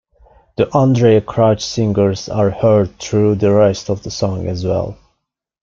The Andrae Crouch Singers are heard throughout the rest of the song as well.